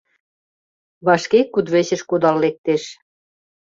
Вашке кудывечыш кудал лектеш.